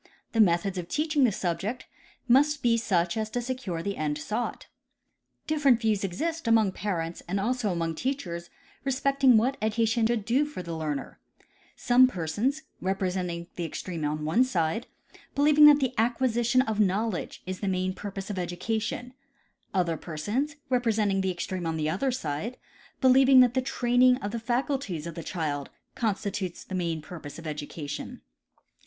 The methods of teaching tlie subject must be such as to secure the end sought. Different views exist among parents and also among teachers respecting what education should do for the learner, some per sons, representing the extreme on one side, believing that the acquisition of knowledge is the main purpose of educa, tion ; other persons, representing the extreme on the other side, be lieving that the training of the faculties of the child constitutes the main purpose of education.